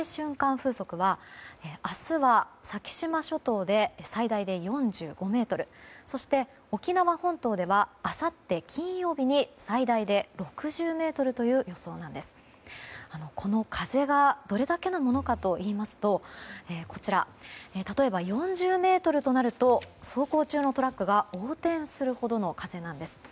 風速は明日は、先島諸島で最大４５メートルそして沖縄本島ではあさって金曜日に最大で６０メートルという予想なんですが、この風がどれだけのものかといいますと例えば４０メートルとなると走行中のトラックが横転するほどの風なんです。